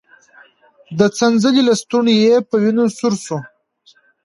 د څنځلې لستوڼی يې په وينو سور شو.